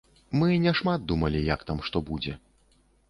Мы не шмат думалі, як там што будзе.